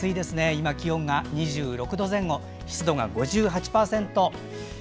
今、気温が２６度前後湿度が５８％。